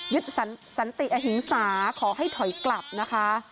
สันติอหิงสาขอให้ถอยกลับนะคะ